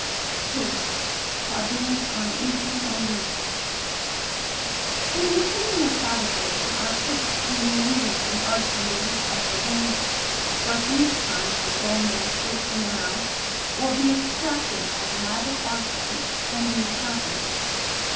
2. Taboos on Eating and Drinking IN THE OPINION of savages the acts of eating and drinking are attended with special danger; for at these times the soul may escape from the mouth, or be extracted by the magic arts of an enemy present.